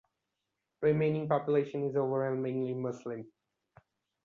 Remaining population is overwhelmingly Muslim.